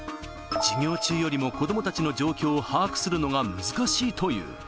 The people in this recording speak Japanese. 授業中よりも子どもたちの状況を把握するのが難しいという。